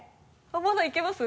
まだいけます？